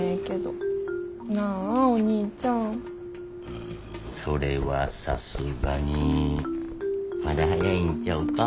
うんそれはさすがにまだ早いんちゃうか？